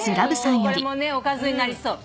これもおかずになりそう。